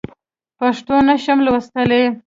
پښتو نه شم لوستلی.